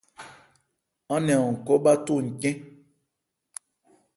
Án nɛn an khɔ́ bháthó ncɛ́n.